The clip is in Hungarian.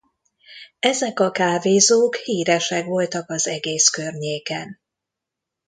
Ezek a kávézók híresek voltak az egész környéken.